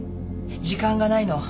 時間がないの。